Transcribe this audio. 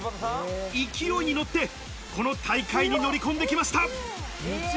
勢いに乗って、この大会に乗り込んできました。